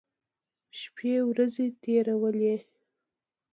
شپې ورځې تېرولې.